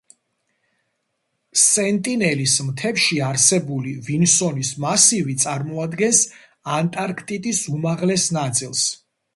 სენტინელის მთებში არსებული ვინსონის მასივი წარმოადგენს ანტარქტიდის უმაღლეს ნაწილს.